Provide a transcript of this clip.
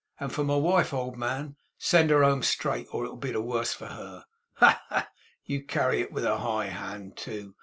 And for my wife, old man, send her home straight, or it will be the worse for her. Ha, ha! You carry it with a high hand, too!